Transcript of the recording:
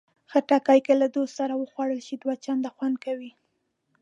خټکی که له دوست سره وخوړل شي، دوه چنده خوند کوي.